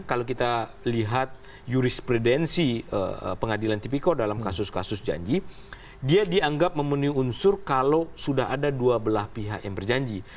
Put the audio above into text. kalau kita lihat jurispredensi pengadilan tipikor dalam kasus kasus janji dia dianggap memenuhi unsur kalau sudah ada dua belah pihak yang berjanji